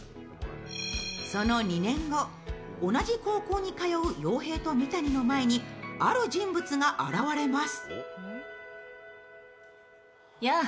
その２年後、同じ高校に通う洋平と三谷の前にある人物が現れます。